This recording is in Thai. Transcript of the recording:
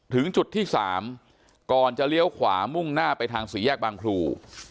ถึงจุดที่๓ก่อนจะเลี้ยวขวามุ่งหน้าไปทางสี่แยกบางครู